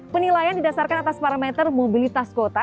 penilaian didasarkan atas parameter mobilitas kota